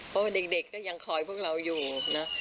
เพราะว่าเด็กก็ยังคอยพวกเราอยู่นะ